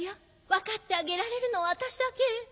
分かってあげられるのは私だけ。